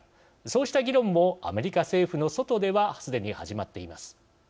そうした議論もアメリカ政府の外ではすでに始まっています。